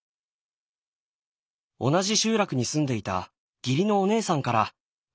同じ集落に住んでいた義理のお姉さんから婦人会に誘われ